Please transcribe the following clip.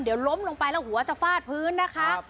เดี๋ยวล้มลงไปแล้วหัวจะฟาดพื้นนะคะ